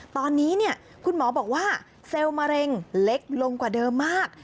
ตอนนี้คุณหมอบอกว่าเซลล์มะเร็งเล็กลงกว่าเดิมมาก